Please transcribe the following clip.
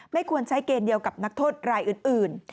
ไม่ควรใช้เกณฑ์เดียวกับนักโทษรายอื่น